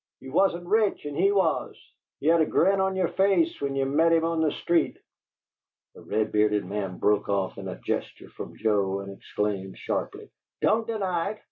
Ye wasn't rich and he was! Ye had a grin on yer face when ye'd meet him on the street." The red bearded man broke off at a gesture from Joe and exclaimed sharply: "Don't deny it!